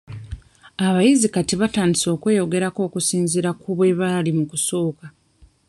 Abayizi kati batandise okweyongerako okusinziira ku bwe baali mu kusooka.